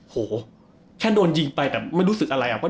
โหแค่โดนยิงไปแบบไม่รู้สึกอะไรอ่ะ